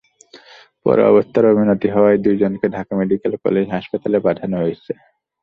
পরে অবস্থার অবনতি হওয়ায় দুজনকে ঢাকা মেডিকেল কলেজ হাসপাতালে পাঠানো হয়েছে।